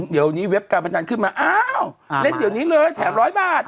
เดี๋ยวนี้เว็บการพนันขึ้นมาอ้าวเล่นเดี๋ยวนี้เลยแถมร้อยบาท